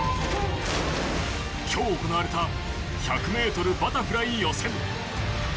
今日行われた１００ｍバタフライ予選。